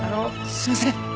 すいません